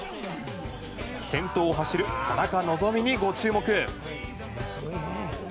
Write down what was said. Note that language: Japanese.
先頭を走る田中希実にご注目。